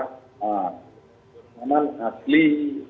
jadi jenis barang kokain ini adalah